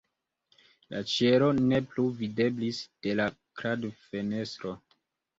La ĉielo ne plu videblis de la kradfenestro.